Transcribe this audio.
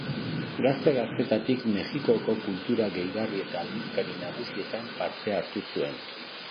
Gazte-gaztetatik Mexikoko kultura gehigarri eta aldizkari nagusietan parte hartu zuen.